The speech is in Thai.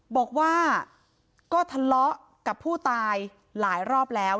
บอกว่าก็ทะเลาะกับผู้ตายหลายรอบแล้ว